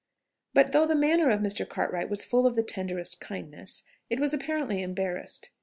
But though the manner of Mr. Cartwright was full of the tenderest kindness, it was apparently embarrassed.